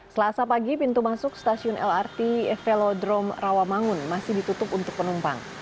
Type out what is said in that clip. selasa pagi pintu masuk stasiun lrt velodrome rawamangun masih ditutup untuk penumpang